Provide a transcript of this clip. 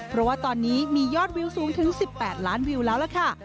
เพราะว่าตอนนี้มียอดวิวสูงถึง๑๘ล้านวิวแล้วล่ะค่ะ